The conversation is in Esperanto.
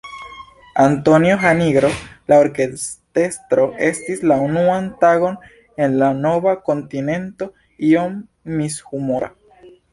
Antonio Janigro, la orkestrestro, estis la unuan tagon en la nova kontinento iom mishumora.